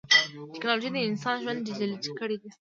ټکنالوجي د انسان ژوند ډیجیټلي کړی دی.